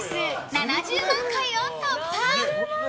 ７０万回を突破。